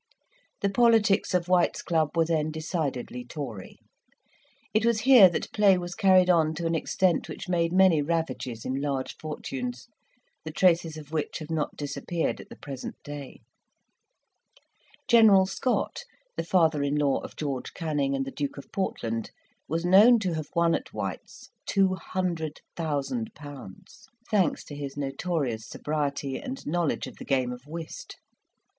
The politics of White's club were then decidedly Tory. It was here that play was carried on to an extent which made many ravages in large fortunes, the traces of which have not disappeared at the present day. General Scott, the father in law of George Canning and the Duke of Portland, was known to have won at White's 200,000£.; thanks to his notorious sobriety and knowledge of the game of whist.